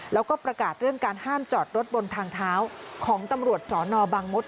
แล้วก็ประกาศเรื่องการห้ามจอดรถบนทางเท้าของตำรวจสนบางมศ